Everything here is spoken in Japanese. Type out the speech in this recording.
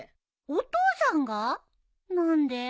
お父さんが？何で？